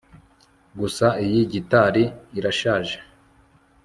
gusa iyi gitari irashaje